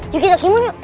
yuk kita kimun yuk